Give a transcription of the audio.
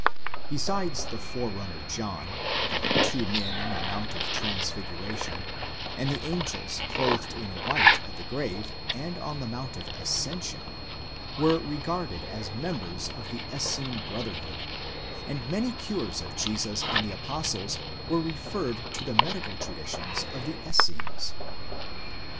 Besides the forerunner John, the two men on the Mount of Transfiguration, and the angels clothed in white at the grave, and on the Mount of Ascension, were regarded as members of the Essene brotherhood, and many cures of Jesus and the Apostles were referred to the medical traditions of the Essenes.